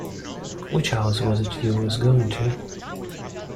Which 'ouse was it you was going to?